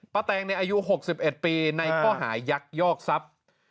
ป้าแดงในอายุ๖๑ปีในก็หายักยอกทรัพย์